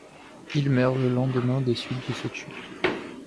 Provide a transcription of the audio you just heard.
Il meurt le lendemain des suites de cette chute.